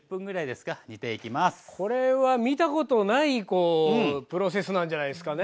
これは見たことないプロセスなんじゃないですかね。